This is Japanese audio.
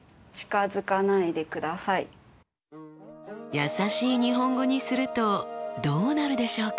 やさしい日本語にするとどうなるでしょうか？